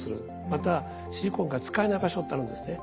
またシリコンが使えない場所ってあるんですね。